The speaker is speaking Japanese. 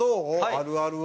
あるあるは。